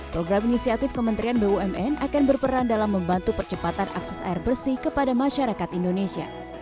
program inisiatif kementerian bumn akan berperan dalam membantu percepatan akses air bersih kepada masyarakat indonesia